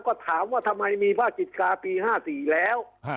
ก็ถามว่าทำไมมีภาคจิตกาปีห้าสี่แล้ว